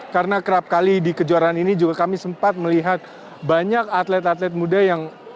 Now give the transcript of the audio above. karena kerap kali di kejuaraan ini juga kami sempat melihat banyak atlet atlet muda yang